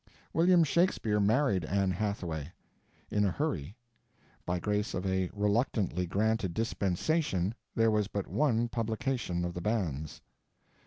William Shakespeare married Anne Hathaway. In a hurry. By grace of a reluctantly granted dispensation there was but one publication of the banns.